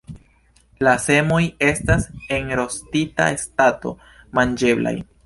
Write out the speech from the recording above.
La semoj estas en rostita stato manĝeblaj.